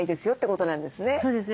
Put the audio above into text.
そうですね。